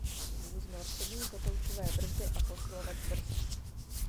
Vůz měl přední kotoučové brzdy a posilovač brzd.